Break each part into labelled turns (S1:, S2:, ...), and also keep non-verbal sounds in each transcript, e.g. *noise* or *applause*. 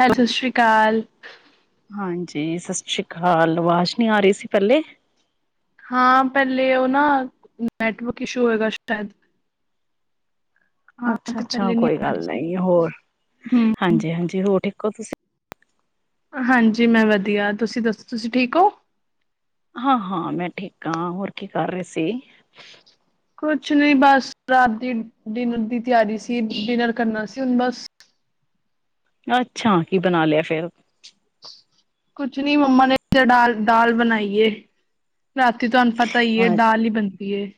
S1: ਹ ਸਤਿ ਸ੍ਰੀ ਕਾਲ।
S2: ਹਾਂਜੀ ਸਤਿ ਸ੍ਰੀ ਕਾਲ, ਆਵਾਜ਼ ਨਹੀ ਆ ਰਹੀ ਸੀ ਪਹਿਲੇ।
S1: ਹਾਂ ਪਹਿਲੇ ਉਹ ਨਾ ਨੈਟਵਰਕ ਇਸ਼ੂ ਹੋਏਗਾ ਸ਼ਾਇਦ। ਹਾਂ
S2: ਅੱਛਾ
S1: ਤੇ
S2: ਅੱਛਾ
S1: ਪਹਿਲੇ ਨੀ
S2: ਕੋਈ
S1: ਆ ਰਹੀ
S2: ਗੱਲ
S1: ਸੀ
S2: ਨਹੀਂ, ਹੋਰ,
S1: ਹਮ
S2: ਹਾਂਜੀ ਹਾਂਜੀ ਹੋਰ ਠੀਕ ਕੋਫੀ ਸੇ
S1: ਹਾਂਜੀ ਮੈਂ ਵਧੀਆ, ਤੁਸੀਂ ਦੱਸੋ ਤੁਸੀਂ ਠੀਕ ਹੋ
S2: ਹਾਂ ਹਾਂ ਮੈਂ ਠੀਕ ਆਂ। ਹੋਰ ਕੀ ਕਰ ਰਹੇ ਸੀ?
S1: ਕੁਛ ਨੀ ਬਸ ਰਾਤ ਦੀ ਡਿਨਰ ਦੀ ਤਿਆਰੀ ਸੀ। ਡਿਨਰ ਕਰਨਾ ਸੀ ਹੁਣ ਬਸ।
S2: ਅੱਛਾਂ ਕੀ ਬਣਾ ਲਿਆ ਫੇਰ?
S1: ਕੁਛ ਨੀ ਮੰਮਾ ਨੇ, ਤੇ ਦਾਲ ਬਣਾਈਏ ਹੈ। ਰਾਤੀ ਤੁਹਾਨੂੰ ਪਤਾ ਈ ਏ ਦਾਲ ਈ ਬਣਦੀ ਏ।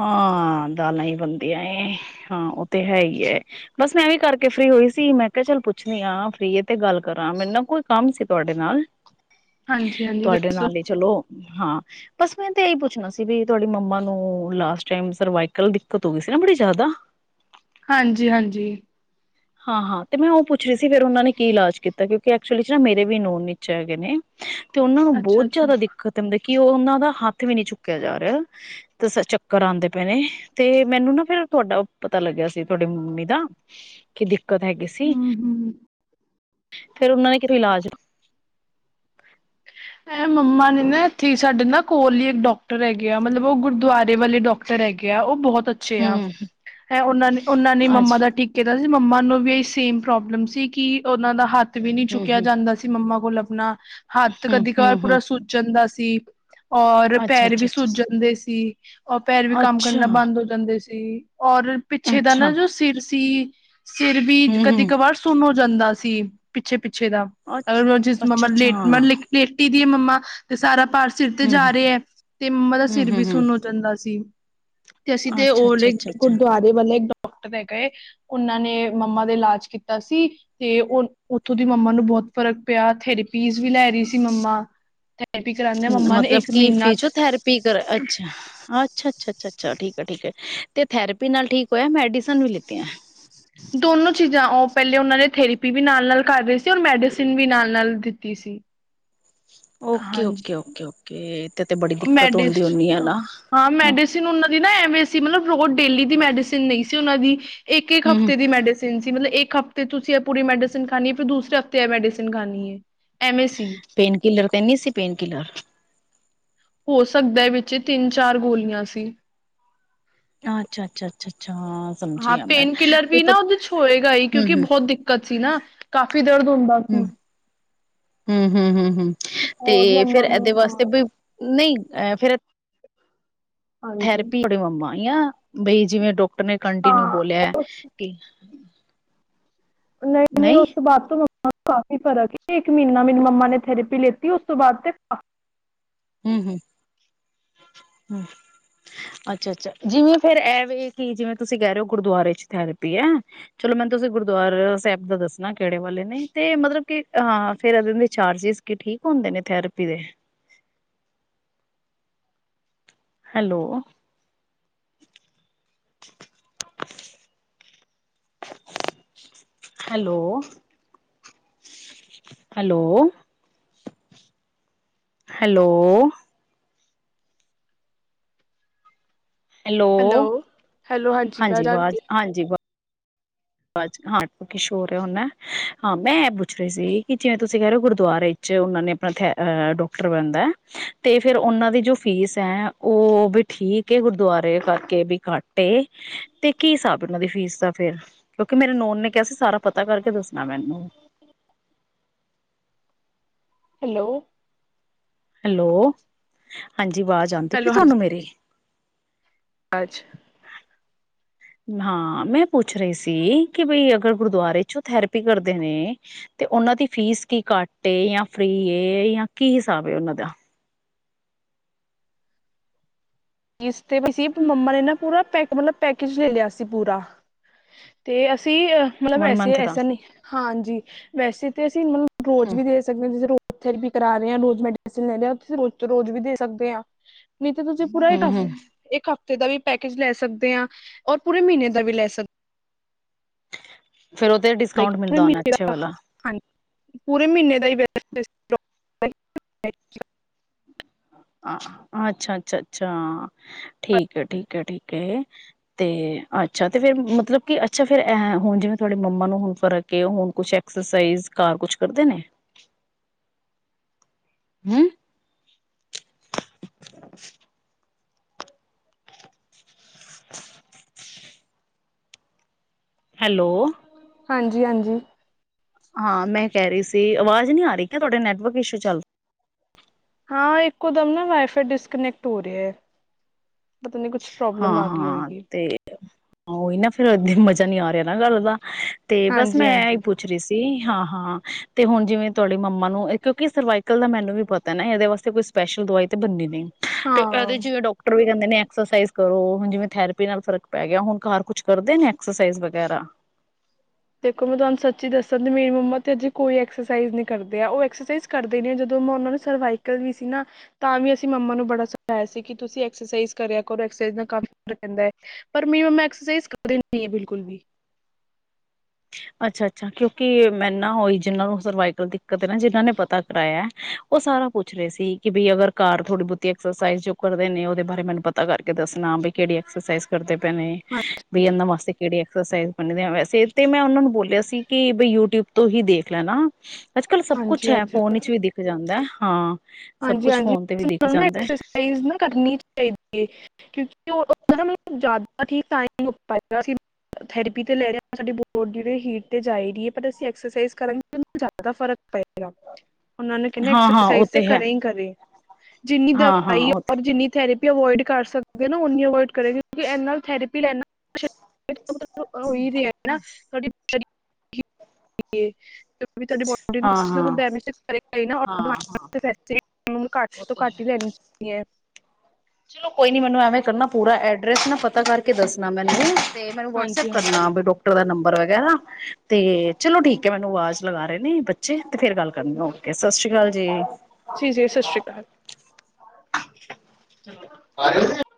S2: ਹਾਂ ਦਾਲਾਂ ਹੀ ਬਣਦੀਆਂ ਏ, ਹਾਂ ਉਹ ਤੇ ਹੈ ਈ ਏ। ਬਸ ਮੈਂ ਵੀ ਕਰਕੇ ਫ੍ਰੀ ਹੋਈ ਸੀ। ਮੈਂ ਕਿਹਾ ਚੱਲ ਪੁੱਛਣੀ ਆ ਫ੍ਰੀ ਏ ਤੇ ਗੱਲ ਕਰਾਂ। ਮੈਨੂੰ ਨਾ ਕੋਈ ਕੰਮ ਸੀ ਤੁਹਾਡੇ ਨਾਲ।
S1: ਹਾਂਜੀ ਹਾਂਜੀ
S2: ਤੁਹਾਡੇ
S1: ਦੱਸੋ
S2: ਨਾਲ ਈ ਚਲੋ। ਹਾਂ ਬਸ ਮੈਂ ਤੇ ਇਹੀ ਪੁੱਛਣਾ ਸੀ, ਵੀ ਤੁਹਾਡੀ ਮੰਮਾ ਨੂੰ- ਲਾਸਟ ਟਾਈਮ ਸਰਵਾਈਕਲ ਦਿੱਕਤ ਹੋ ਗਈ ਸੀ ਨਾ ਬੜੀ ਜ਼ਿਆਦਾ।
S1: ਹਾਂਜੀ ਹਾਂਜੀ
S2: ਹਾਂ ਹਾਂ। ਤੇ ਮੈਂ ਉਹ ਪੁੱਛ ਰਹੀ ਸੀ ਫੇਰ ਉਹਨਾਂ ਨੇ ਕੀ ਇਲਾਜ ਕੀਤਾ ਕਿਉਂਕਿ ਐਕਚੁਲੀ ਚ ਨਾ ਮੇਰੇ ਵੀ ਨੋਨ ਵਿਚ ਹੈਗੇ ਨੇ- ਤੇ ਉਹਨਾਂ ਨੂੰ
S1: ਅੱਛਾ
S2: ਬਹੁਤ
S1: ਅੱਛਾ
S2: ਜਿਆਦਾ ਦਿੱਕਤ ਆਂਦੀ ਕਿ ਉਹ ਉਹਨਾਂ ਦਾ ਹੱਥ ਵੀ ਨੀ ਚੁੱਕਿਆ ਜਾ ਰਿਹਾ ਤੇ ਸ ਚੱਕਰ ਆਉਂਦੇ ਪਏ ਨੇ। ਤੇ ਮੈਨੂੰ ਨਾ ਫੇਰ ਤੁਹਾਡਾ ਪਤਾ ਲੱਗਿਆ ਸੀ ਤੁਹਾਡੀ ਮੰਮੀ ਦਾ- ਕਿਡੀ ਕਦ ਹੈਗੇ ਸੀ।
S1: ਹਮ ਹਮ
S2: ਫੇਰ ਉਹਨਾਂ ਨੇ ਕਿਤੋਂ ਇਲਾਜ-
S1: ਇਹ ਮੰਮਾ ਨੇ ਨਾ ਇੱਥੇ ਈ ਸਾਡੇ ਨਾ ਕੋਲ ਈ ਇੱਕ ਡਾਕਟਰ ਹੈਗੇ ਆ। ਮਲਬ ਉਹ ਗੁਰਦੁਆਰੇ ਵਾਲੇ ਡਾਕਟਰ ਹੈਗੇ ਆ। ਉਹ ਬਹੁਤ- ਅੱਛੇ ਆ।
S2: ਹੂੰ
S1: ਇਹ ਉਹਨਾਂ ਨੇ ਉਹਨਾਂ ਨੇ ਮੰਮਾ
S2: ਅੱਛਾ
S1: ਦਾ ਟੀਕੇ ਦਾ- ਮੰਮਾ ਨੂੰ ਵੀ ਏਈ ਸੇਮ ਪ੍ਰੋਬਲਮ ਸੀ। ਕਿ ਉਹਨਾਂ ਦਾ ਹੱਥ- ਹੱਥ ਵੀ ਨਹੀਂ ਚੁੱਕਿਆ
S2: ਹੂੰ-ਹੂੰ
S1: ਜਾਂਦਾ ਸੀ। ਮੰਮਾ- ਕੋਲ ਆਪਣਾ- ਤੇ ਕਦੀ ਗਾਲ ਪੂਰਾ
S2: ਹੂੰ-ਹੂੰ-ਹੂੰ
S1: ਸੁਜ ਜਾਂਦਾ ਸੀ। ਸੀ ਔਰ ਪੈਰ ਵੀ
S2: ਅੱਛਾ-ਅੱਛਾ-ਅੱਛਾ
S1: ਸੁੱਜ ਜਾਂਦੇ ਸੀ। ਔਰ ਪੈਰ ਵੀ ਕੰਮ ਕਰਨਾ ਬੰਦ ਹੋ ਜਾਂਦੇ ਸੀ। ਤੇ ਔਰ ਪਿੱਛੇ ਦਾ
S2: ਅੱਛਾ-ਅੱਛਾ
S1: ਨਾ ਜੋ ਸਿਰ ਸੀ- *unintelligible* ਸਿਰ ਵੀ
S2: ਹੂੰ-ਹੂੰ
S1: ਕਦੀ ਕਵਾਰ ਸੁਨ ਜਾਂਦਾ- ਥੀ ਪਿੱਛੇ -ਪਿੱਛੇ ਪਿੱਛੇ ਦਾ।
S2: ਅੱਛ
S1: ਅਗਰ
S2: ਅੱਛਾ-ਅੱਛਾ
S1: *unintelligible* ਲੇਟੀ ਦੀ ਏ ਮੰਮਾ ਤੇ ਸਾਰਾ- ਭਾਰ ਸਿਰ ਤੇ ਜਾ ਰਿਆ ਏ। ਤੇ ਮੰਮਾ ਦਾ ਸਿਰ ਵੀ
S2: ਹੂੰ-ਹੂੰ-ਹੂੰ
S1: ਸੁਣ ਹੋ ਜਾਂਦਾ ਸੀ। ਤੇ ਅਸੀਂ ਤੇ ਔ ਇਲੈਕਟ, ਵਲੇ
S2: ਅੱਛਾ-ਅੱਛਾ-ਅੱਛਾ-ਅੱਛਾ
S1: ਗੁਰਦੁਆਰੇ ਵਾਲੇ ਡਾਕ- ਡਾਕਟਰ ਦੇ ਗਏ ਉਹਨਾਂ ਨੇ ਮੰਮਾ ਦੇ ਇਲਾਜ ਕੀਤਾ ਸੀ, ਤੇ ਉਹ ਉੱਥੋਂ ਦੀ ਮੰਮਾ ਨੂੰ ਬਹੁਤ ਫਰਕ ਪਿਆ, ਥੈਰੇਪੀਜ਼ ਵੀ ਲੈ ਰਹੀ ਸੀ। ਮੰਮਾ *unintelligible* ਮੰਮਾ ਨੇ
S2: ਮਤਲਬ
S1: ਇੱਕ
S2: ਕਿ
S1: ਮਹੀਨਾ
S2: ਫਿਜੀਓਥੇਰਪੀ ਕਰਾ ਅੱਛਾ ਅੱਛਾ-ਅੱਛਾ। ਅੱਛਾ-ਅੱਛਾ ਠੀਕ ਐ ਠੀਕ ਏ, ਤੇ ਥੈਰੇਪੀ ਨਾਲ ਠੀਕ ਹੋਇਆ ਮੈਡੀਸਨ ਵੀ ਲੀਤੀਆਂ।
S1: ਦੋਨੋ ਚੀਜ਼ਾਂ ਉਹ ਪਹਿਲੇ ਉਹਨਾਂ ਨੇ ਥੇਰੇਪੀ ਵੀ ਨਾਲ-ਨਾਲ ਕਰ ਰਹੇ ਸੀ ਔਰ ਮੈਡੀਸਿਨ ਵੀ ਨਾਲ-ਨਾਲ ਦਿੱਤੀ ਸੀ।
S2: ਓਕੇ ਓਕੇ
S1: ਹਾਂਜੀ
S2: ਓਕੇ ਓਕੇ। ਤੇ ਤੇ ਬੜੀ ਦਿੱਕਤ
S1: ਮੈਡੀਸ,
S2: ਹੁੰਦੀ ਹੁੰਦੀ ਹੈ ਨਾ
S1: ਹਾਂ ਮੈਡੀਸਿਨ ਉਨਾਂ ਦੀ ਨਾ ਵੇ ਸੀ ਮਲਬ ਰੋਜ਼ ਡੇਲੀ ਦੀ ਮੈਡੀਸਨ ਨਹੀਂ ਸੀ ਉਹਨਾਂ ਦੀ। ਇੱਕ-ਇੱਕ
S2: ਹਮ
S1: ਹਫ਼ਤੇ ਦੀ ਮੈਡੀਸਨ ਤਿਨ ਸੀ ਮਲਬ ਇੱਕ ਹਫਤੇ ਤੁਸੀਂ ਇਹ ਪੂਰੀ ਮੈਡੀਸਨ ਖਾਣੀ ਏ ਫਿਰ ਦੂਸਰੇ ਹਫ਼ਤੇ ਇਹ ਮੈਡੀਸਨ ਖਾਣੀ ਏ।
S2: ਪੇਨ ਕਿਲਰ ਤੇ ਨੀ ਸੀ ਪੇਨ ਕਿਲਰ।
S1: ਹੋ ਸਕਦਾ ਏ ਵਿੱਚ ਤਿੰਨ-ਚਾਰ ਗੋਲੀਆਂ ਸੀ।
S2: ਆ ਅੱਛਾ ਅੱਛਾ ਅੱਛਾ ਅੱਛਾ।
S1: ਹਾਂ
S2: ਸਮਝੀ ਆ ਮੈਂ
S1: ਪੇਨ ਕਿਲਰ
S2: ਕੋਈ
S1: ਵੀ
S2: ਪ
S1: ਨਾ ਉਹਦੇ 'ਚ ਹੋਏਗਾ ਈ ਕਿਉਂਕਿ
S2: ਹਮ
S1: ਬਹੁਤ ਦਿੱਕਤ ਸੀ ਨਾ ਕਾਫੀ ਦਰਦ ਹੁੰਦਾ ਸੀ।
S2: ਹੂੰ ਹੂੰ ਹੂੰ ਹੂੰ। ਤੇ
S1: ਹੋਰ
S2: ਫੇਰ
S1: ਮੰਮਾ
S2: ਇਹਦੇ
S1: ਨੂੰ ਹਾਂ
S2: ਵਾਸਤੇ ਬਈ, ਨਹੀਂ ਐ ਫਿਰ
S1: ਹਾਂਜੀ
S2: ਥੈਰੇਪੀ ਤੁਹਾਡੇ ਮੰਮਾ ਈ ਆ। ਬਈ ਜਿਵੇਂ ਡੋ ਡਾਕਟਰ ਨੇ ਕੰਟੀਨਿਊ
S1: ਹਾਂ
S2: ਬੋਲਿਆ ਕੀ
S1: ਨਹੀਂ-ਨਹੀਂ ਉਸ ਤੋਂ ਬਾਦ ਤੋ ਮੰਮਾ ਨੂੰ ਕਾਫੀ ਫਰਕ ਏ। ਇੱਕ ਮਹੀਨਾ ਮੇਰੀ ਮੰਮਾ ਨੇ ਥੈਰੇਪੀ ਲੇਤੀ ਉਸ ਤੋਂ ਬਾਅਦ ਤੇ
S2: ਹੂੰ-ਹੂੰ, ਹੂੰ ਅੱਛਾ-ਅੱਛਾ, ਜਿਵੇ ਫੇਰ ਏ ਵੇ ਕਿ ਜਿਵੇ ਤੁਸੀਂ ਕਹਿ ਰਹੇ ਹੋ ਗੁਰਦੁਆਰੇ'ਚ ਥੈਰੇਪੀ ਐ। ਚਲੋ ਮੈਨੂੰ ਤੁਸੀ ਗੁਰਦੁਆਰਾ ਸਾਹਿਬ ਦਾ ਦਸਣਾ ਕਿਹੜੇ ਵਾਲੇ ਨੇ, ਤੇ ਮਤਲਬ ਕੀ ਹਾ ਫੇਰ ਇਨਾ ਦੇ ਚਾਰਜਿਜ਼ ਕੀ ਠੀਕ ਹੁੰਦੇ ਨੇ ਥੈਰੇਪੀ ਦੇ। Hello, hello. Hello, hello. Hello
S1: hello
S2: ਹਾਂਜੀ
S1: ਆਵਾਜ਼ ਆ ਗਈ
S2: ਵਾਜ਼ ਹਾਂਜੀ ਵਾਂ ਆਵਾਜ ਹਾਂ ਕੀ ਸ਼ੋਰ ਹੋ ਰਿਹਾ ਹੋਣਾ ਹਾਂ ਮੈਂ ਇਹ ਪੁੱਛ ਰਹੀ ਸੀ ਕਿ ਜਿਵੇਂ ਤੁਸੀਂ ਕਹਿ ਰਹੇ ਹੋ ਗੁਰਦੁਆਰੇ'ਚ ਉਹਨਾਂ ਨੇ ਆਪਣਾ ਥੈਰੈ ਡਾਕਟਰ ਬਹਿੰਦਾ ਏ ਤੇ ਫਿਰ ਉਨਾ ਦੀ ਜੋ ਫੀਸ ਐ ਉਹ ਵੀ ਠੀਕ ਏ ਗੁਰਦਵਾਰੇ ਕਰਕੇ ਵੀ ਘਟ ਏ, ਤੇ ਕੀ ਸਾਬ ਓਨਾ ਦੀ ਫੀਸ ਦਾ ਫਿਰ। ਕਿਉਂਕਿ ਮੇਰੇ ਨੋਨ ਨੇ ਕਿਹਾ ਸੀ ਸਾਰਾ ਪਤਾ ਕਰਕੇ ਦੱਸਣਾ ਮੈਨੂੰ।
S1: ਹੈਲੋ
S2: ਹੈਲੋ, ਹਾਂਜੀ ਜੀ ਆਵਾਜ਼ ਆਂਦੀ ਪਈ ਤੁਹਾਨੂੰ ਮੇਰੀ।
S1: ਅੱਛਾ
S2: ਹਾਂ ਮੈਂ ਪੁੱਛ ਰਹੀ ਸੀ ਕਿ ਬਈ ਅਗਰ ਗੁਰਦੁਆਰੇ ਚੋਂ ਥੈਰੇਪੀ ਕਰਦੇ ਨੇ। ਤੇ ਉਹਨਾਂ ਦੀ ਫੀਸ ਕੀ ਘੱਟ ਏ ਜਾਂ ਫ੍ਰੀ ਏ ਜਾਂ ਕੀ ਹਿਸਾਬ ਏ ਉਹਨਾਂ ਦਾ?
S1: ਫੀਸ ਤੇ ਵੀ ਸੀ ਤੇ ਮੰਮਾ ਨੇ ਨਾ ਪੂਰਾ ਪੈ ਮਤਲਬ ਪੈਕੇਜ ਲੈ ਲਿਆ ਸੀ ਪੂਰਾ ਤੇ ਅ ਸੀ ਮਤਲਬ
S2: ਵਨ
S1: ਐਸੇ
S2: ਮੰਥ ਦਾ
S1: ਐਸਾ ਨਹੀਂ ਹਾਂਜੀ ਵੈਸੇ ਤੇ ਅਸੀਂ ਮ ਰੋਜ਼
S2: ਹੂੰ
S1: ਵੀ ਦੇ ਸਕਦੇ ਜੈਸੇ ਰ ਉੱਥੇ ਵੀ ਕਰਾ ਰਹੇ ਆ ਰੋਜ਼ ਮੈਡੀਸਨ ਲੈਦੇ ਤੁਸੀਂ ਰੋਜ਼ ਰੋਜ਼ ਵੀ ਦੇ ਸਕਦੇ ਆ ਨਹੀਂ ਤੇ ਪੂਰਾ ਇੱਕ
S2: ਹੂੰ
S1: ਹਫ
S2: ਹੂੰ
S1: ਇੱਕ ਹਫ ਦਾ ਵੀ ਪੈਕਜ ਲੈ ਸਕਦੇ ਆ ਔਰ ਪੂਰੇ ਮਹੀਨੇ ਦਾ ਵੀ ਲੈ ਸਕਦੇ
S2: ਫਿਰ ਉਹ ਤੇ ਡਿਸਕਾਊਂਟ
S1: ਪੂਰੇ
S2: ਮਿਲਦਾ ਹੁਣਾ
S1: ਮਹੀਨੇ
S2: ਅੱਛੇ ਵਾਲਾ।
S1: ਹਾਂਜੀ ਪੂਰੇ ਮਹੀਨੇ ਦਾ ਈ *inaudible*
S2: ਹਾਂ ਅੱਛਾ ਅੱਛਾ ਅੱਛਾ ਹਾਂ ਠੀਕ ਆ ਠੀਕ ਆ ਠੀਕ ਆ ਤੇ ਅੱਛਾ ਤੇ ਫਿਰ ਮਤਲਬ ਕੀ ਅੱਛਾ ਫਿਰ ਹੁਣ ਜਿਵੇ ਤੁਹਾਡੇ ਮੰਮਾ ਨੂੰ ਹੁਣ ਫਰਕ ਐ ਹੁਣ ਕੁਛ ਐਕਸਰਸਾਈਜ਼ ਘਰ ਕੁਛ ਕਰਦੇ ਨੇ? ਹੂੰ। *unintelligible* ਹੈਲੋ।
S1: ਹਾਂਜੀ ਹਾਂਜੀ।
S2: ਹਾਂ ਮੈਂ ਕਹਿ ਰਹੀ ਸੀ ਆਵਾਜ਼ ਨਹੀ ਆ ਰਹੀ ਕਿਆ ਤੁਹਾਡੇ ਨੈਟਵਰਕ ਇਸ਼ੂ ਚੱਲ
S1: ਹਾਂ ਇੱਕੋ ਦਮ ਨਾ ਵਾਈਫਾਈ ਡਿਸਕਨੈਕਟ ਹੋ ਰਿਹਾ ਐ। ਪਤਾ ਨੀ ਕੁਛ ਪ੍ਰੋਬਲਮ
S2: ਹਾਂ
S1: ਆ ਗਈ
S2: ਹਾਂ
S1: ਹੋਏਗੀ
S2: ਤੇ ਉਹੀ ਨਾ ਫਿਰ ਇੱਦਾਂ ਮਜ਼ਾ ਨਹੀ ਆ ਰਿਹਾ ਨਾ ਗੱਲ ਦਾ। ਤੇ ਬਸ
S1: ਹਾਂਜੀ
S2: ਮੈਂ ਹੀ
S1: ਹਾਂਜੀ
S2: ਪੁੱਛ ਰਹੀ ਸੀ ਹਾਂ। ਹਾਂ ਤੇ ਹੁਣ ਜਿਵੇਂ ਤੁਹਾਡੇ ਮੰਮਾ ਨੂੰ ਕਿਉਂਕਿ ਸਰਵਾਈ ਅੰਕਲ ਦਾ ਮੈਨੂੰ ਵੀ ਪਤਾ ਐ ਨਾ ਇਹਦੇ ਵਾਸਤੇ ਕੋਈ ਸਪੈਸ਼ਲ ਦਵਾਈ ਤਾਂ ਬੰਨੀ ਨਹੀਂ। ਤੇ
S1: ਹਾਂ
S2: ਇਹਦੇ ਜਿਵੇਂ ਡਾਕਟਰ ਵੀ ਕਹਿੰਦੇ ਨੇ। ਐਕਸਰਸਾਈਜ਼ ਕਰੋ ਹੁਣ ਜਿਵੇਂ ਥੈਰੇਪੀ ਨਾਲ ਫਰਕ ਪੈ ਗਿਆ ਹੁਣ ਘਰ ਕੁਛ ਕਰਦੇ ਨੇ ਐਕਸਰਸਾਈਜ਼ ਵਗੈਰਾ।
S1: ਦੇਖੋ ਮੈਂ ਤੁਹਾਨੂੰ ਸੱਚੀ ਦੱਸਾਂ ਤੇ ਮੇਰੀ ਮੰਮਾ ਤੇ ਅਜੇ ਕੋਈ ਐਕਸਰਸਾਈਜ਼ ਨਹੀਂ ਕਰਦੇ ਆ। ਉਹ ਐਕਸਰਸਾਈਜ਼ ਕਰਦੇ ਨੇ। ਜਦੋਂ ਮੈਂ ਉਹਨਾਂ ਨੂੰ ਸਰਵਾਈਕਲ ਵੀ ਸੀ ਨਾ ਤਾਂ ਵੀ ਅਸੀਂ ਮੰਮਾ ਨੂੰ ਬੜਾ ਸਿਖਾਇਆ ਸੀ ਕਿ ਤੁਸੀਂ ਐਕਸਰਸਾਈਜ਼ ਕਰਿਆ ਕਰੋ। ਐਕਸਰਸਾਈਜ਼ ਨਾਲ ਕਾਫੀ ਫਰਕ ਪੈਂਦਾ ਐ। ਪਰ ਮੇਰੀ ਮੰਮਾ ਐਕਸਰਸਾਈਜ਼ ਕਰਦੇ ਨਹੀਂ ਐ ਬਿਲਕੁਲ ਵੀ।
S2: ਅੱਛਾ-ਅੱਛਾ ਕਿਉਂਕ ਮੈਨੂੰ ਨਾ ਹੋਈ ਜਿਹਨਾਂ ਨੂੰ ਸਰਵਾਈਕਲ ਦਿੱਕਤ ਨਾ ਜਿਹਨਾਂ ਨੇ ਪਤਾ ਕਰਾਇਆ ਐ। ਉਹ ਸਾਰਾ ਪੁੱਛ ਰਹੇ ਸੀ ਕਿ ਬਈ ਅਗਰ ਘਰ ਥੋੜੀ ਬਹੁਤੀ ਐਕਸਰਸਾਈਜ਼ ਜੋ ਕਰਦੇ ਨੇ ਉਹਦੇ ਬਾਰੇ ਮੈਨੂੰ ਪਤਾ ਕਰਕੇ ਦੱਸਣਾ ਵੀ ਕਿਹੜੀ ਐਕਸਰਸਾਈਜ਼ ਕਰਦੇ ਪਏ ਨੇ
S1: ਹਾਂ
S2: ਵੀ ਇਹਨਾਂ ਵਾਸਤੇ ਕਿਹੜੀ ਐਕਸਰਸਾਈਜ਼ ਕਰਦੇ ਆ ਵੈਸੇ ਤੇ ਮੈਂ ਉਹਨਾਂ ਨੂੰ ਬੋਲਿਆ ਸੀ ਕਿ ਬਈ ਯੂਟਿਊਬ ਤੋਂ ਹੀ ਦੇਖ ਲੈਣਾ। ਅੱਜ ਕੱਲ੍ਹ ਸਭ ਕੁਛ
S1: ਹਾਂਜੀ
S2: ਹੈ
S1: ਹਾਂਜੀ
S2: ਫੋਨ ਵਿੱਚ ਵੀ ਦਿਖ ਜਾਂਦਾ ਐ। ਹਾਂ। ਸਭ
S1: ਹਾਂਜੀ
S2: ਕੁਛ
S1: ਹਾਂਜੀ
S2: ਫੋਨ ਤੇ ਵੀ ਦਿਖ
S1: ਸਾਨੂੰ ਨਾ
S2: ਜਾਂਦਾ ਹੈ
S1: ਐਕਸਰਸਾਈਜ਼ ਨਾ ਕਰਨੀ ਚਾਹੀਦੀ ਐ। ਕਿਉਕਿ *inaudible* ਜ਼ਿਆਦਾ ਠੀਕ *inaudible* ਅਸੀਂ ਥਰੇਪੀ ਤੇ ਲੈ ਰਹੇ ਹਾਂ ਸਾਡੀ ਬੋਡੀ ਹੀਟ ਤੇ ਜਾ ਈ ਰਹੀ ਹੈ। ਪਰ ਅਸੀਂ ਐਕਸਰਸਾਈਜ਼ ਕਰਾਂਗੇ ਜ਼ਿਆਦਾ ਫ਼ਰਕ ਪਏਗਾ ਉਹਨਾਂ ਨੂੰ ਕਹਿੰਦੇ
S2: ਹਾਂ-ਹਾਂ ਉਹ
S1: ਐਕਸਰਸਾਈਜ਼ ਤੇ
S2: ਹੈ
S1: ਘਰੇ ਹੀ ਕਰੇ ਜਿੰਨੀ
S2: ਹਾਂ-ਹਾਂ
S1: ਦਵਾਈ
S2: ਉਹ ਤੇ
S1: ਔਰ ਜਿੰਨੀ ਥੈਰੇਪੀ ਜਿੰਨੀ ਔਵਾਇਡ ਕਰ ਸਕਦੇ ਹੋ ਨਾ ਓਨੀ ਔਵਾਇਡ ਕਰੇ, ਕਿ ਇਹਦੇ ਨਾਲ ਥੈਰਪੀ ਲੈਣ ਨਾਲ ਹੋ ਈ ਰਿਹਾ ਨਾ ਤੁਹਾਡੀ
S2: ਹਾਂ-ਹਾਂ
S1: *unintelligible*
S2: ਹਾਂ-ਹਾਂ
S1: ਵੈਸੇ ਘੱਟ
S2: ਉਹ
S1: ਤੋਂ
S2: ਤੇ ਹੈ
S1: ਘੱਟ ਹੀ ਲੈਣੀ ਚਾਹੀਦੀ ਹੈ।
S2: ਚਲੋ ਕੋਈ ਨੀ ਮੈਨੂੰ ਐਵੇਂ ਕਰਨਾ ਪੂਰਾ ਐਡਰੈਸ ਨਾ ਪਤਾ ਕਰਕੇ ਦੱਸਣਾ ਮੈਨੂੰ ਤੇ ਮੈਨੂੰ ਵਟਸਐਪ
S1: ਹਾਂਜੀ
S2: ਕਰਨਾ
S1: ਹਾਂਜੀ
S2: ਵੀ ਡਾਕਟਰ ਦਾ ਨੰਬਰ ਵਗੈਰਾ ਤੇ ਚਲੋ ਠੀਕ ਹੈ ਮੈਨੂੰ ਆਵਾਜ਼ ਲਗਾ ਰਹੇ ਨੇ ਬੱਚੇ ਤੇ ਫੇਰ ਗੱਲ ਕਰਨੀ ਹੋ, ਓਕੇ ਸਸ ਰੀ ਕਾਲ ਜੀ।
S1: ਜੀ- ਜੀ ਸਸ਼ ਰੀ ਕਾਲ।
S2: *inaudible* ਆ ਰੇ ਓ ਤੁਸੀਂ।